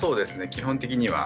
基本的には。